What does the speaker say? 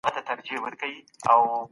خلګ د استراحت او تفریح حق لري.